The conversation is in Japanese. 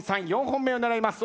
４本目を狙います。